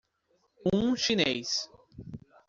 Um chinês